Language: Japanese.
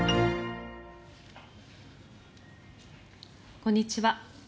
こんにちは。